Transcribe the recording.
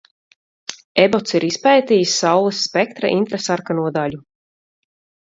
Ebots ir izpētījis Saules spektra infrasarkano daļu.